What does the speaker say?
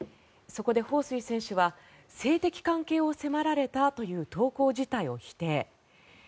そこでホウ・スイ選手は性的関係を迫られたという投稿自体を否定。